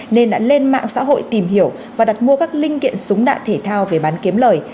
nên đã lên mạng xã hội tìm hiểu và đặt mua các linh kiện súng đạn thể thao về bán kiếm lời